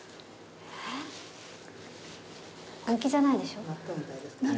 本気じゃないでしょ？